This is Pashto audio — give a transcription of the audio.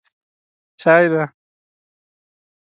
_چای دی؟